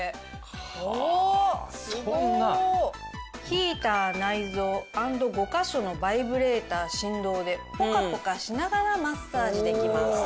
ヒーター内蔵＆５カ所のバイブレーター振動でポカポカしながらマッサージできます。